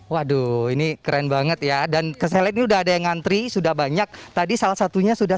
waduh ini keren banget ya dan kesini udah ada yang ngantri sudah banyak tadi salah satunya sudah